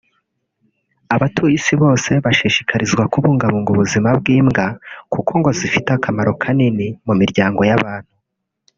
Abatuye isi bose bashishikarizwa kubungabunga ubuzima bw’imbwa kuko ngo zifite akamaro kanini mu miryango y’abantu